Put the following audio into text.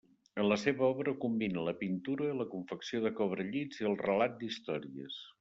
En la seva obra combina la pintura, la confecció de cobrellits i el relat d'històries.